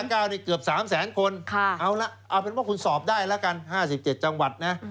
เกือบ๓แสนคนเอาละเอาเป็นว่าคุณสอบได้แล้วกัน๕๗จังหวัดนะ